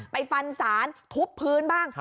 ไปฟันศาลทุบพื้นบ้าง